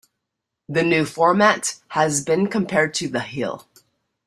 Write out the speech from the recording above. The new format has been compared to "The Hill".